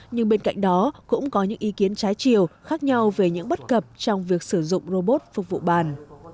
nhưng bên cạnh đó cũng có những ý kiến trái chiều khác nhau về những bất cập trong việc sử dụng robot phục vụ bàn